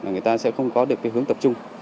người ta sẽ không có được cái hướng tập trung